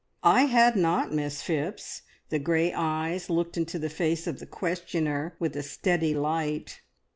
"I had not, Miss Phipps!" The grey eyes looked into the face of the questioner with a steady light.